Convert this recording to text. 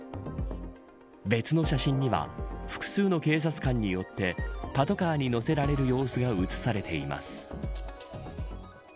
別の写真には複数の警察官によってパトカーに乗せられる様子が写されています。